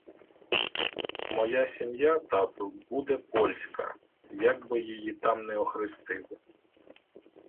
Моя сім'я, тату, буде польська, як би її там не охрестили.